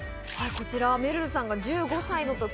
こちらめるるさんが１５歳の時。